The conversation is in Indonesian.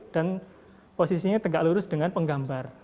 dan posisinya tegak lurus dengan penggambar